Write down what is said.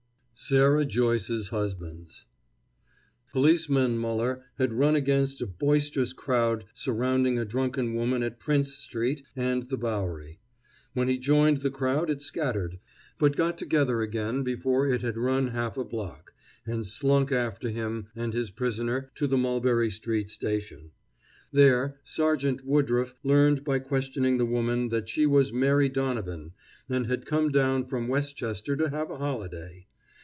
SARAH JOYCE'S HUSBANDS Policeman Muller had run against a boisterous crowd surrounding a drunken woman at Prince street and the Bowery. When he joined the crowd it scattered, but got together again before it had run half a block, and slunk after him and his prisoner to the Mulberry street station. There Sergeant Woodruff learned by questioning the woman that she was Mary Donovan and had come down from Westchester to have a holiday.